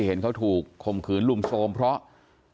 เห็นเขาถูกข่มขืนลุมโทรมเพราะ